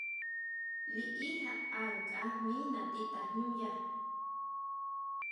Liʼí jaʼa nkʼa jmí nati tajñúya.